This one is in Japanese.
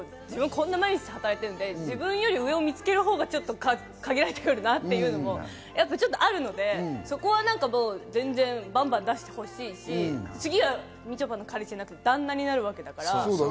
こんなに毎日働いてるので、上を見つけるほうが限られてくるなというのがちょっとあるので、そこはバンバン出してほしいし、次はみちょぱの彼氏ではなく、旦那になるわけだから。